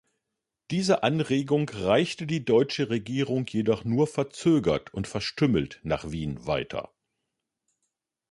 Diese Anregung reichte die deutsche Regierung jedoch nur verzögert und verstümmelt nach Wien weiter.